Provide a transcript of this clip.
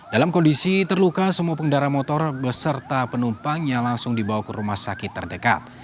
dalam kondisi terluka semua pengendara motor beserta penumpangnya langsung dibawa ke rumah sakit terdekat